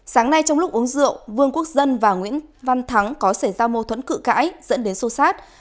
sáng nay trong lúc uống rượu vương quốc dân và nguyễn văn thắng có xảy ra mâu thuẫn cự cãi dẫn đến sâu sát